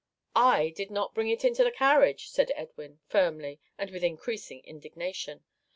"I did not bring it into the carriage," said Edwin, firmly, and with increasing indignation.